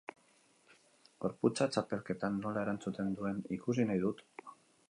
Gorputzak txapelketan nola erantzuten duen ikusi nahi dut.